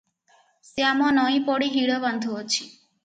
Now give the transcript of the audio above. ଶ୍ୟାମ ନଇଁପଡ଼ି ହିଡ଼ ବାନ୍ଧୁଅଛି ।